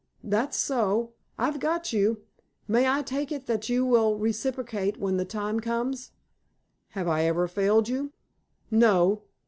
"That's so. I've got you. May I take it that you will reciprocate when the time comes?" "Have I ever failed you?" "No.